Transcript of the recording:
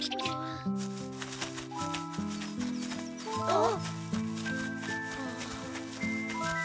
あっ。